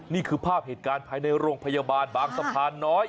นี่คือภาพเหตุการณ์ภายในโรงพยาบาลบางสะพานน้อย